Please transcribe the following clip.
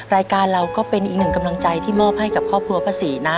รายการเราก็เป็นอีกหนึ่งกำลังใจที่มอบให้กับครอบครัวพระศรีนะ